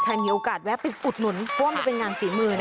ค่ะเออใครมีโอกาสแวะไปอุดหนุน